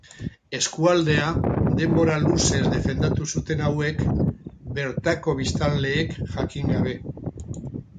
Eskualdea, denbora luzez defendatu zuten hauek, bertako biztanleek jakin gabe.